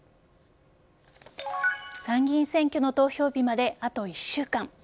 参議院選挙の投票日まであと１週間。